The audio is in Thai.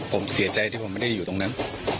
ผมเสียใจไกลที่ไม่ได้อยู่ข้างนั้น